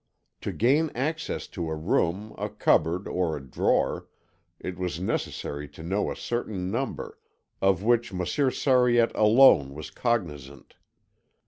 To gain access to a room, a cupboard, or a drawer, it was necessary to know a certain number, of which Monsieur Sariette alone was cognisant.